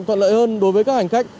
thuận lợi hơn đối với các hành khách